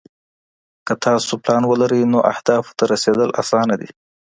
که تاسو پلان ولرئ نو اهدافو ته رسیدل اسانه دي.